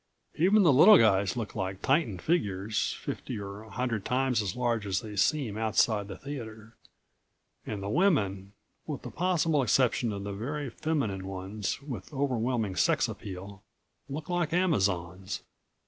Even the little guys look like titan figures, fifty or a hundred times as large as they seem outside the theater. And the women with the possible exception of the very feminine ones with overwhelming sex appeal look like Amazons.